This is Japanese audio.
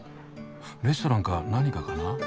レストランか何かかな？